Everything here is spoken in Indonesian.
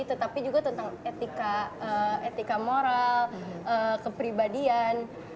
tetapi juga tentang etika moral kepribadian